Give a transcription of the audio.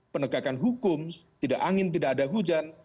penegakan hukum tidak angin tidak ada hujan